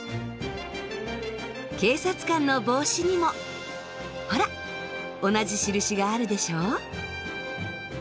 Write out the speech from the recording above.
警察官の帽子にもほら同じ印があるでしょう？